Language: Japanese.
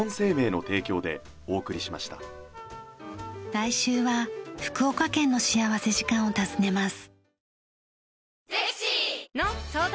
来週は福岡県の幸福時間を訪ねます。